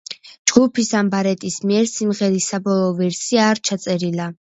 ჯგუფის ან ბარეტის მიერ სიმღერის საბოლოო ვერსია არ ჩაწერილა.